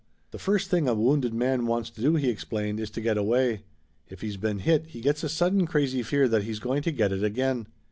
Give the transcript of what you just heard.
"The first thing a wounded man wants to do," he explained, "is to get away. If he's been hit he gets a sudden crazy fear that he's going to get it again.